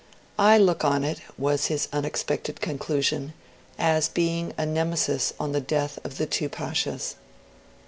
'I look on it,' was his unexpected conclusion, 'as being a Nemesis on the death of the two Pashas.'